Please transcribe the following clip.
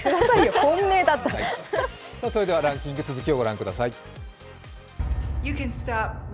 それではランキング、続きをご覧ください。